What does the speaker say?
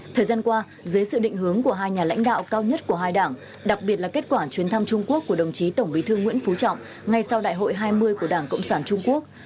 thời gian qua dưới sự định hướng của hai nhà lãnh đạo cao nhất của hai đảng đặc biệt là kết quả chuyến thăm trung quốc của đồng chí tổng bí thư nguyễn phú trọng ngay sau đại hội hai mươi của đảng cộng sản trung quốc